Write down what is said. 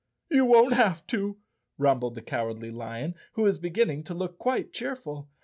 "You won't have to," rumbled the Cowardly Lion, who was beginning to look quite cheerful.